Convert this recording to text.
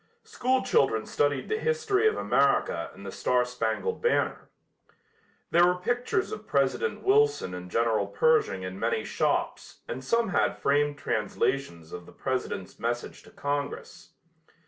School children studied the history of America and "The Star Spangled Banner." There were pictures of President Wilson and General Pershing in many shops and some had framed translations of the President's message to Congress.